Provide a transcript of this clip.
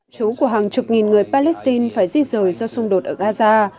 chú của hàng chục nghìn người palestine phải di rời do xung đột ở gaza